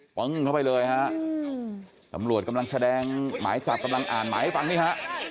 ปึ้งเข้าไปเลยฮะตำรวจกำลังแสดงหมายจับกำลังอ่านหมายให้ฟังนี่ฮะ